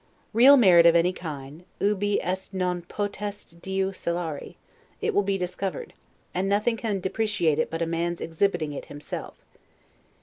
Real merit of any kind, 'ubi est non potest diu celari'; it will be discovered, and nothing can depreciate it but a man's exhibiting it himself.